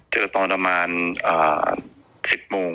เจอตอนประมาณ๑๐โมง